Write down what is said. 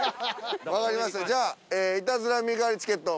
分かりましたじゃあイタズラ身代わりチケット。